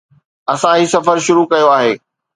اسان هي سفر شروع ڪيو آهي